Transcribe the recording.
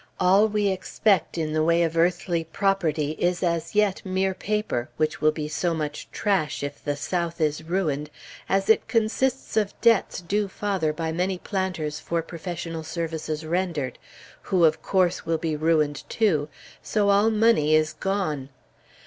All we expect in the way of earthly property is as yet mere paper, which will be so much trash if the South is ruined, as it consists of debts due father by many planters for professional services rendered, who, of course, will be ruined, too, so all money is gone.